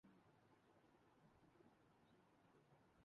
ایک بات قابل غور ہے۔